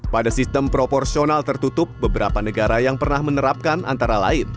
pada sistem proporsional tertutup beberapa negara yang pernah menerapkan antara lain